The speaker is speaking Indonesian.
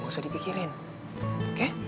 gak usah dipikirin oke